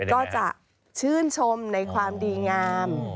ก็จะชื่นชมในความดีงาม